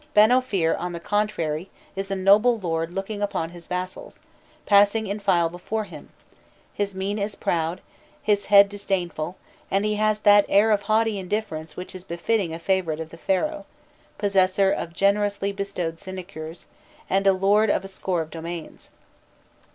Banofir, on the contrary, is a noble lord looking upon his vassals passing in file before him: his mien is proud, his head disdainful, and he has that air of haughty indifférence which is befitting a favourite of the Pharaoh, possessor of generously bestowed sinecures, and lord of a score of domains.